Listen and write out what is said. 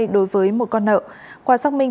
đối với một con nợ qua xác minh